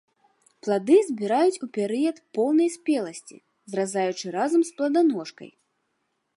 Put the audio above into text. Плады збіраюць у перыяд поўнай спеласці, зразаючы разам з пладаножкай.